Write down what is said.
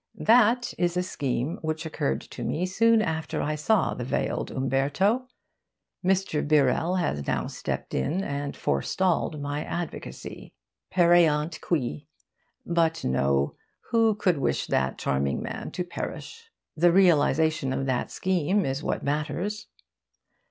That is a scheme which occurred to me soon after I saw the veiled Umberto. Mr. Birrell has now stepped in and forestalled my advocacy. Pereant qui but no, who could wish that charming man to perish? The realisation of that scheme is what matters.